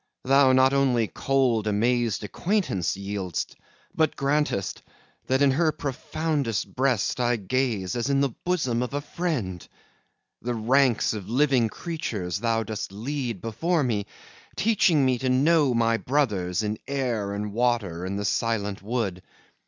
Thou Not only cold, amazed acquaintance yield'st, But grantest, that in her profoundest breast I gaze, as in the bosom of a friend. The ranks of living creatures thou dost lead Before me, teaching me to know my brothers In air and water and the silent wood.